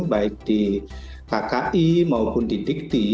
baik di kki maupun di dikti